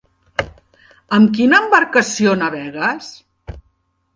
Amb quina embarcació navegues?